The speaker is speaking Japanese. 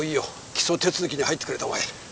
起訴手続きに入ってくれたまえ。